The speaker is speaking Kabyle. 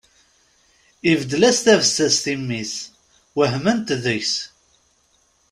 Ibeddel-as tabessast i mmi-s, wehment deg-s.